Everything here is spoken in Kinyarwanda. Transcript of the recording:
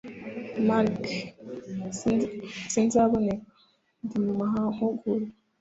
marc : sinzaboneka. nzaba ndi mu mahugurwa..